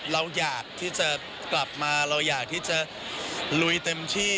เราอยากที่จะกลับมาเราอยากที่จะลุยเต็มที่